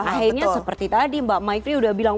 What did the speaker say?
akhirnya seperti tadi mbak maifri udah bilang